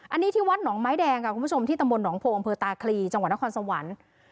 อันนี้ที่วัดหนองไม้แดงค่ะคุณผู้ชมที่ตำบลหนองโพอำเภอตาคลีจังหวัดนครสวรรค์